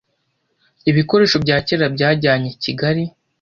Ibikoresho bya kera byajyanye kigali